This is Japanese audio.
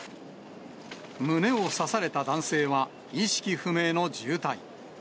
胸を刺された男性は、意識不明の重体。